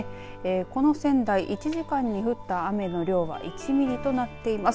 この仙台１時間に降った雨の量は１ミリとなっています。